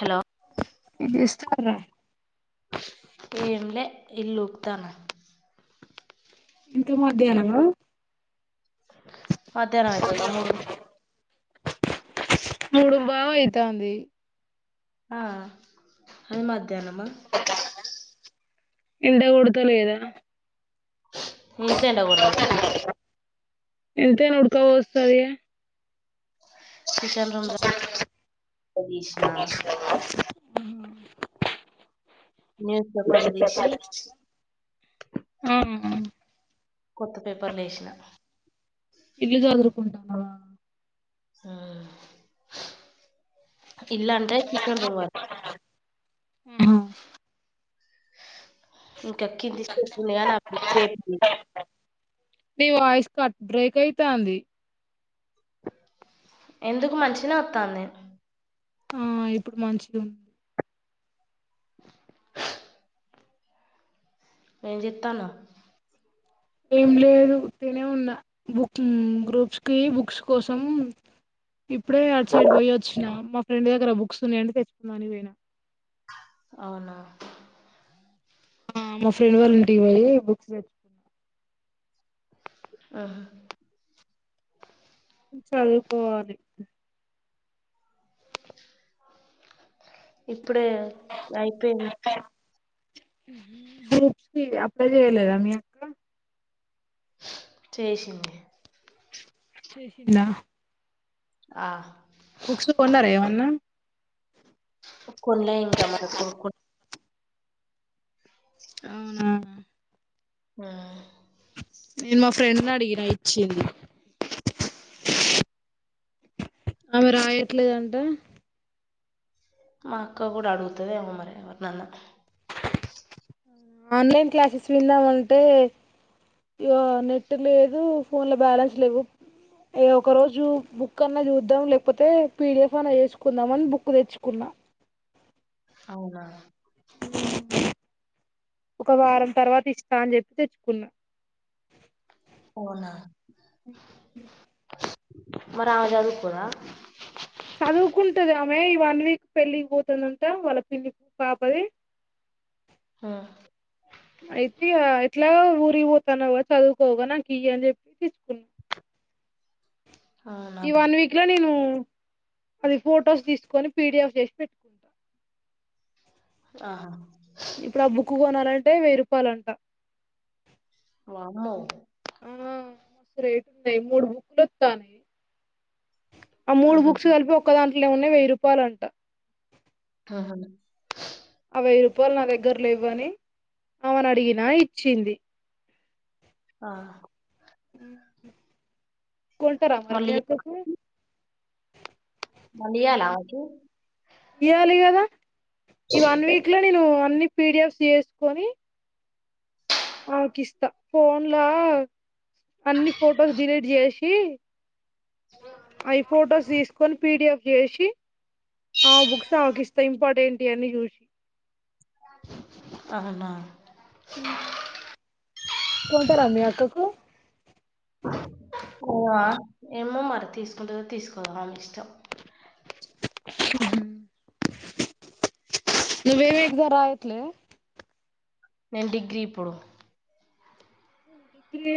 Hello ఏం చేస్తున్నావు రా ఏం లే ఇల్లు ఊకుతన్న ఇంత మధ్యానమ మధ్యానం అయితాంద మూడు మూడుంబావ్ అయితాంది ఆ అది మధ్యానమ ఎండ కొడత లేద ఇంట్లోనే ఉన్న ఎంతైనా ఉడక ఓస్తది ఇగ కిచెన్ రూమ్స్ తీసిన [unintelligible] మ్ న్యూస్ పేపర్లు తీసి ఆ కొత్త పేపర్లు ఏసిన ఇల్లు కదురుతున్నావా ఉమ్ ఇల్లాంటే కిచెన్ రూమ్ వరకు ఆహా ఇంకా కింది స్టెప్ ఉంది కానీ పేపర్ నీ వాయిస్ కట్ బ్రేక్ అయితాంది ఎందుకు మంచినే వత్తాంది ఉమ్ ఇప్పుడు మంచిగుంది ఏం చేత్తాన్నావు ఏం లేదు ఉట్టిగనే ఉన్నా బుక్ గ్రూప్స్ కి బుక్స్ కోసం ఇప్పుడే అటు సైడ్ పోయి వచ్చిన మా ఫ్రెండ్ దగ్గర బుక్స్ ఉన్నాయంటే తెచ్చుకుందాం అని పోయినా అవునా ఉమ్ మ [unintelligible] ఫ్రెండ్ వాళ్ళంటికి పోయి క్స్ తెచ్చుకున్న ఊహు చదువుకోవాలి ప్పుడే అయిపోయింది గ్రూప్స్ కి అప్లై చేయలేదా మీ అక్క చేసింది చేసిందా ఆ బుక్స్ కొన్నారా ఎమన్నా కొన్లే ఇంకా మనకు [unintelligible] అవునా ఉమ్ నేను మా ఫ్రెండ్ని అడిగినా ఇచ్చింది ఆమె రాయట్లేదంట మా అక్క కూడా అడుగుతది ఏమో మరి ఎవరినన్నా ఆన్లైన్ క్లాసెస్ విందామంటే ఇగో నెట్ లేదు ఫోన్లో బ్యాలెన్స్ లేవు ఒకరోజు బుక్ అన్నా చూద్దాం లేకపోతే పీడిఎఫ్ అన్నా చేసుకుందాం అని బుక్ తెచ్చుకున్నా అవునా ఒక వారం తర్వాత ఇస్తా అని చెప్పి తెచ్చుకున్నా ఆవునా మరి ఆమె చదువుకోదా చదువుకుంటది ఆమె ఈ వన్ వీక్ పెళ్లికి పోతుందంట వాళ్ళ పిన్ని పాపది మ్ అయితే ఇగా ఎట్లా ఊరి పోతానావ్ గా చదువుకోవుగా నాకీ అని చెప్పి తీచ్చుకున్నా అవునా ఈ వన్ వీక్ లో నేను అది ఫొటోస్ తీసుకొని పీడిఎఫ్ చేసి పెట్టుకుంటా ఆహా ఇప్పుడు ఆ బుక్ కోన లాంటె వెయ్యి రపాయలుంట వామ్మో మస్తు రేటు ఉంది మూడు బుక్కులు వత్తాన్నాయి ఆ మూడు ఆహా బుక్స్ కలిపి ఒక్కదా ఏముంది వెయ్యి రూపాయలు అంట ఆహా ఆ వెయ్యి రూపాయలు నా దగ్గర లేవు అని ఆమెని అడిగినా ఇచ్చింది ఆ హు కొంట రా మరి మీ మళ్ళీ అక్కకు మళ్ళీ ఇయ్యాల ఆమెకు ఇయాలి కదా ఈ వన్ వీక్ లో నేను అన్ని పిడిఎఫ్స్ చేసుకొని ఆమేకిస్తా పోన్లా అన్ని ఫోటోస్ డిలీట్ చేసి సి ఐ ఫొటోస్ తీసుకొని పిడిఎఫ్ చేసి ఆమీ బుక్స్ ఆమెకిస్తా ఇంపార్టెంటి అన్ని చూసి అవునా హు కొంటార మీ అక్కకు ఏమో మరి తీసుకుంటదో తీసుకోదో ఆమె ఇష్టం ఉహు నువ్వేం ఎగ్జామ్ రాయట్లే నేను డిగ్రీ ఇప్పుడు అవును డిగ్రీ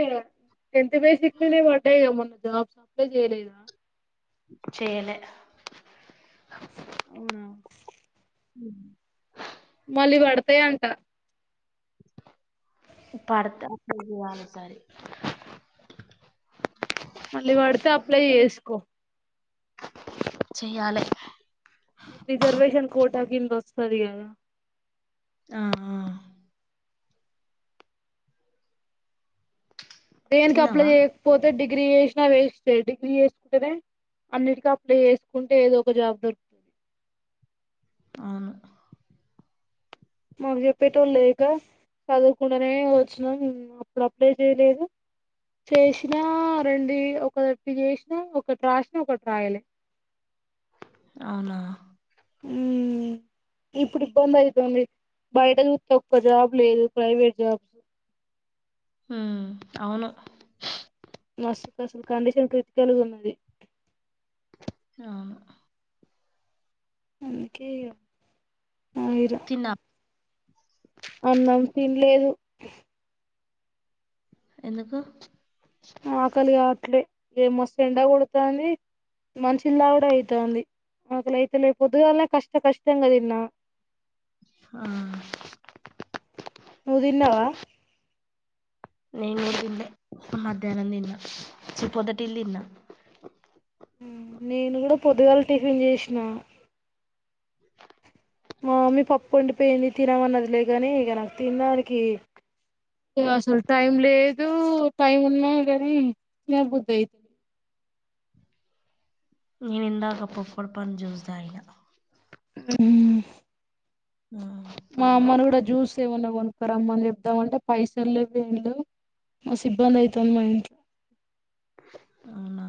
టెన్త్ బేసిక్ నినే పడ్డాయి క మొన్న జాబ్స్ అప్లై చేయలేదా చేయలే అవునా హు మళ్లీ పడతాయి అంట పడితే అప్లై చేయాలి ఇసారి మళ్ళీ పడితే అప్లై చేసుకో చెయాలె నీకు రిజర్వేషన్ కోట కింద వస్తది కదా ఆ ఆ దేనికి అప్లై తిన్నావా చేయకపోతే డి డిగ్రీ చేసిన వేస్టే డిగ్రీ చేసుకుంటనే అన్నిటింకి అప్లై చేసుకుంటే ఏదో ఒక జాబ్ దొరుకుతది అవును మాకు చెప్పేటోళ్ళు లేక చదువుకుంటనే వచ్చిన్నం అప్పుడు అప్లై చేయలేదు చేసినా రండి ఒకటి చేసినా ఒకటి రాసినా ఒకటి రాయలే అవునా ఉ ఇప్పుడు ఇబ్బంది అయితుంది బయట చూస్తే ఒక్క జాబ్ లేదు ప్రైవేట్ జాబ్స్ హ్ అవును మస్తు అసలు కండిషన్ క్రిటికల్గున్నది [unintelligible] అందుకే ఆగిన తిన్నా అన్నం తినలేదు ఎందుకు ఆకలి కావట్లే ఏ మస్తు ఎండ కొడతాంది మంచి నీల్ తాగుడె అయితాంది ఆకలి అయితేలే పొద్దుగానే కష్ట కష్టంగా తిన్నా ఆ ను తిన్నావా నేను కూడా తిన్లే మధ్యాహ్నం తిన్న చి పొద్దటిలి తిన్న నేను కూడా పొదుగాల టిఫిన్ చేసినా మా మమ్మీ పప్పు వండిపోయింది తినమన్నదిలే గాని ఇక నాకు తినడానికి అసలు టైం లేదు టైం ఉన్నా కాని తినబుద్ధి అయి నేను ఇందాక [unintelligible] పండు జ్యూస్ తాగిన హ్మ్మ్ మ్ మా అమ్మని కూడా జ్యూస్ ఏమైన్నా కొనుక్కారమ్మని చెప్దామంటే పైసలు లేవు ఏం లేవ్ మస్త్ ఇబ్బంది అవుతుంది మా ఇంట్లో అవునా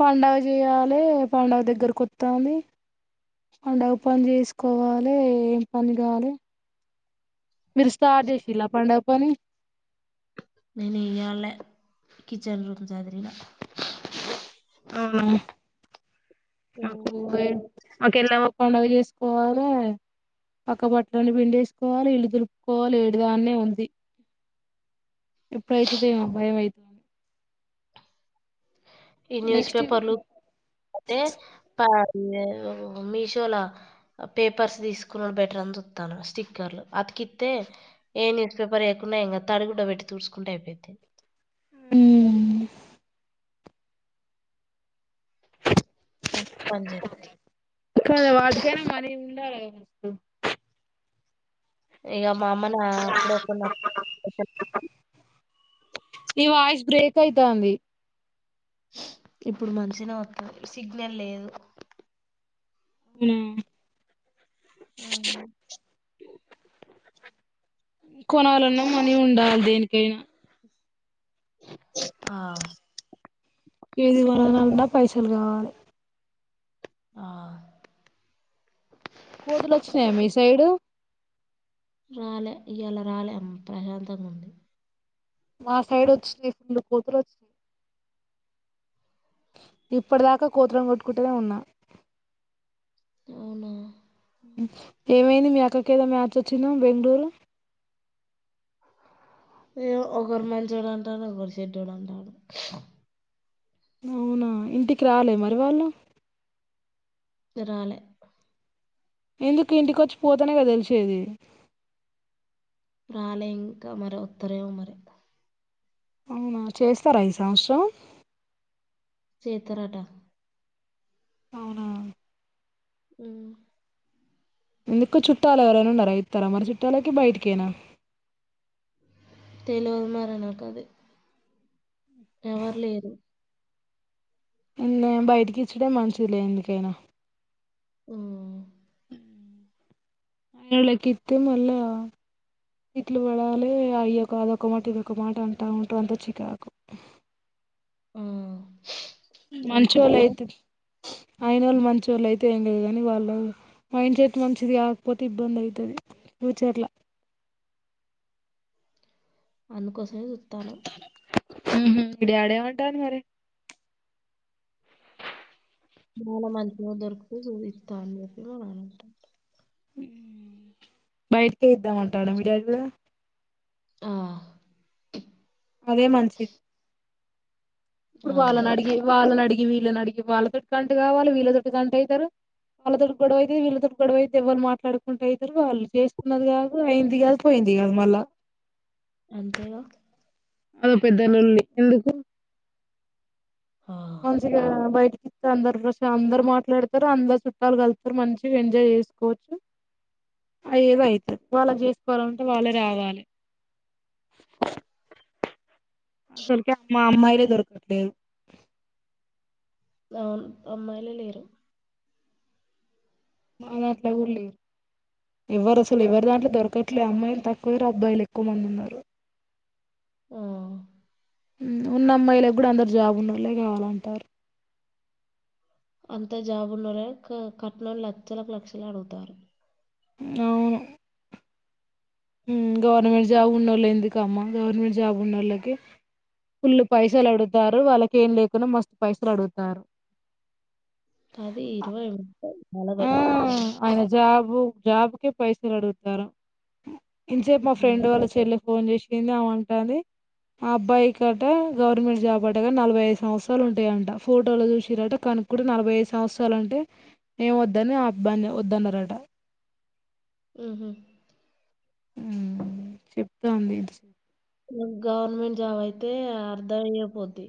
పండగ చేయాలి పండగ దగ్గర కొస్తాంది పండగ పని చేసుకోవాలే ఏం పని కాలే మీరు స్టార్ట్ చేసింలా పండగ పని నేన్ ఇయాలే కిచెన్ రూమ్ జదిరిన ఆ నాకూ ఒకే ఎలా పండగ చేసుకోవాలే పక్క బట్టలని పిండేసుకోవాలి ఇల్లు దులుపుకోవాలి ఏడిదాన్నే ఉంది ఎప్పుడైతుంది ఏమో భయం అవుతుని ఈ న్యూస్ పేపర్లు ఉంటే మీషోలో పేపర్స్ తీసుకున్నాడు బెటర్ అని చస్తాను స్టిక్కర్లు అతకిస్తే ఏ న్యూస్ పేపర్ వయకున్నా ఇంకా త అడిగు పెట్టి చూడ్చుకుంటే అయిపోతది మ్మ్ పనిచేయదు ఇప్పుడు వట్టికైనా మినీ ఉండాలేగానీ ఇగ మా అమ్మ నా అప్పుడు కొన్న [inaudible] ఈ వాయిస్ బ్రేక్ అయితాంది ఇప్పుడు మంచిగానే వస్తోంది. సిగ్నల్ లేదు. మ్మ్ ఆ కొనాలన్న మనీ ఉండాలి. దేనికైనా ఆ ఏది కొనాలన్న పైసలు కావాలే. ఆ కోతులు వచ్చినాయ మీ సైడ్ రాలే ఇయలా రాలే అమ్మ ప్రశాంతంగా ఉంది. మా సైడ్ వచ్చినాయి ఫుల్ కోతులు వచ్చినాయి. ఇప్పటిదాకా కోతులను కొట్టుకుంటనే ఉన్నా అవునా ఏమైంది మీ అక్కకి ఏదో మ్యాచ్ వచ్చిందేమో బెంగళూరు ఏ ఒకరు మంచోడు ఉంటాడు ఒకరు చెడ్డోడు ఉంటాడు అవునా ఇంటికి రాలే మరి వాళ్ళు రాలే ఎందుకు ఇంటి రాలే ఇంకా మరి అవునా చేస్తారా ఈ సంవత్సరం చేతరటా అవునా మ్ ఎందుకు చుట్టాలు ఎవరైనా ఉన్నారా ఇతరా మరి చుట్టాలకి బయటికేనా తెలవదు మరి నాకది ఎవరు లేరు ఏందే బయటకి ఇచ్చుడే మంచిదేలే ఎందుకైనా మ్ వాళ్ళకి ఇస్తే మళ్ళా తిట్లు పడాలి అయ్యక అదొక మాట ఇదొక మాట అంటా ఉంటారు అంత చికాకు ఆ మంచోళ్ళు అందుకోసమే అయితే అయినోళ్లు మంచోళ్ళు అయితే ఏంది లే కానీ వాళ్ళు మైండ్ సెట్ మంచిది కాకపోతే ఇబ్బంది అయితది ఫ్యూచర్లా అందుకోసమే చూస్తన్న ఉహు మీ డాడేమంటండు మరి మనం మంచిగా దొరికితే చూపిస్తా అని చెప్పి మన అ బయటికే ఇద్దామంటాడా మీ డాడీ కూడా ఆ అదే మంచిద్ ఇప్పుడు ఆ వాళ్లని అడిగి వాళ్లని అడి ఇ వీళ్ళని అడిగి వాళ్ళతోటు కంట కావాలి వీళ్ళతోటి కంట అవుతారు. వాళ్ళతోటి గొడవ అయితే వీళ్ళతోటి గొడవ అయితే ఎవరు మాట్లాడుకుంట అవుతారు వాళ్ళు చేస్తున్నది కాదు అయింది కాదు పోయింది కాదు మళ్ళా అంతేగా అదో పెద్ద లొల్లి ఎందుకు ఆ మంచిగా బయటికి ఇస్త అందరు అందరు మాట్లాడతారు. అందరు చుట్టాలు కలుతారు మంచిగా ఎంజాయ్ చేసుకోవచ్చు అ ఏదో అయితది వాళ్ళ చేసుకోవాలంటే వాళ్ళే రావాలే అసలుకే మా అమ్మాయి హే దొరకట్లేదు అవున్ అమ్మాయిల లేరు మా దాంట్లో కూడా లేరు ఎవరు అసలు ఎవరి దాంట్లో దొరకట్లేదు అమ్మాయిలు తక్కువరు అబ్బాయిలు ఎక్కువ మంది ఉన్నారు ఆ ఉన్న అమ్మాయిలకు కూడా అందరు జాబ్ ఉన్నళ్లే కావాలంటారు అంతా జాబున్నారే కట్నంలో లక్షలకు లక్షలు అడుగుతారు అవును గవర్నమెంట్ జాబ్ ఉన్న వాళ్ళు ఎందుకమ్మా గవర్నమెంట్ జాబ్ ఉన్న వాళ్ళకి ఫుల్ పైసలు అడుతారు వాళ్ళకి ఏం లేకున్నా మస్తు పైసలు అడుగుతారు అది ఇరువై నలపై ఓ జాబ్క పైస అడుగుతారా ఇంసే మా హ్మ్. ఫ్రెడ్ వాళ్ళ చెల్లు ఫోన్ చేసింది అమంటని ఆ అబ్బాయి గటా గవర్నమెంట్ జాబ్ అట్టగా నలభై ఐదు సంవత్సరాలు ఉంటాయంట ఫోటోలు చూసిారట కనుక్కుడా నలభై ఐదు సంవత్సరాలు అంటే ఏం వద్దని ఆ అబ్బాయిని వద్దనరాట ఆ హుమ్ ఉమ్ చెప్తాంది గవర్నమెంట్ జాబ్ అయితే అర్ధ అయ్యపోద్ది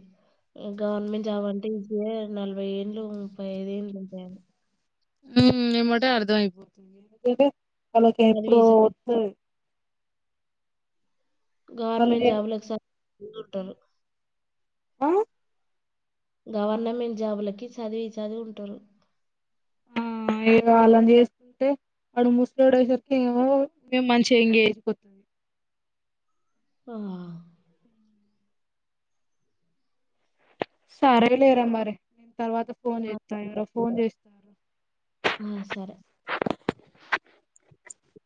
గవర్నమెంట్ జాబ్ అంటే ఈజీయ నలభై ఏండ్ళు ముప్పై ఐదు ఏంలు ఉంటాయని ఏ మటా అర్థంయిపోతుంది వాళ్లాకి చదివి ఎప్పుడు స వస్తుంది వాళ్ళు గవర్నమెంట్ చే- జాబ్లలకు స ముందుటారు ఆమ్ గవర్నమెంట్ జాబులకి చదివి చదువు ఉంటారు ఆ ఇ అలాని చేస్తుకుంటే వాడు ముసలాడేసరికి ఏమో మేము మంచిగా ఎంగేజుకోతుంది ఆ సారే లేరా మరి తర్వాత ఫోన్ చేస్తా ఎవరో ఫోన్ చేస్తారు ఆ సరే